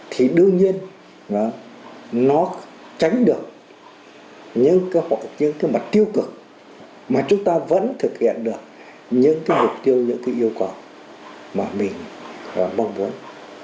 thì đương nhiên nó tránh được những cái mặt tiêu cực mà chúng ta vẫn thực hiện được những cái mục tiêu những cái yêu cầu mà mình mong muốn